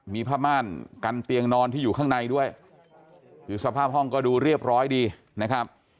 มีผ้าม่านกันเตียงนอนที่อยู่ข้างในด้วยคือสภาพห้องก็ดูเรียบร้อยดีนะครับ